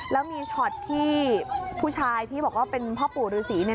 แล้วมีช็อตที่ผู้ชายที่บอกว่าเป็นพ่อปู่ฤษีเนี่ย